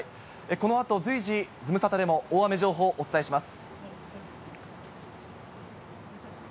このあと随時、ズムサタでも大雨情報、お伝えします。